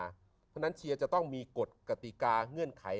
เพราะฉะนั้นเชียร์จะต้องมีกฎกติกาเงื่อนไข